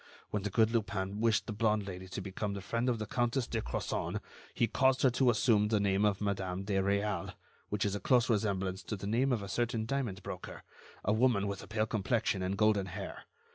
When the good Lupin wished the blonde Lady to become the friend of the Countess de Crozon, he caused her to assume the name of Madame de Réal, which is a close resemblance to the name of a certain diamond broker, a woman with a pale complexion and golden hair.